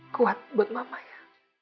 kuat buat mama ya